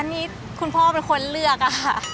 อันนี้คุณพ่อเป็นคนเลือกค่ะ